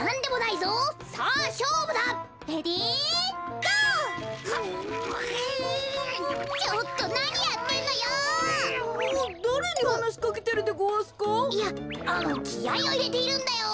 いやあのきあいをいれているんだよ。